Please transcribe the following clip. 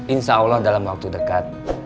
insya allah dalam waktu dekat